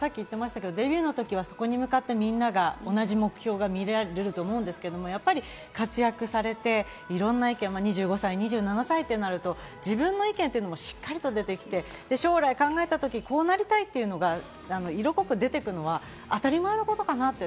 中丸さんが言ってましたけど、デビューに向かって、みんなが同じ目標を見れると思うんですけど、活躍されて、いろんな意見、２５歳、２７歳ってなると自分の意見もしっかり出てきて将来を考えたときに、こうなりたいっていうのが色濃く出てくるのは当たり前のことかなって。